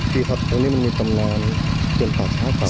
อ๋อคือครับตรงนี้มันมีตำรวจเป็นป้าชาเก่า